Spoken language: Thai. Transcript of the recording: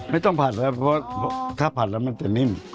ไม่ต้องผัดเลยเพราะถ้าผัดแล้วมันจะนิ่ม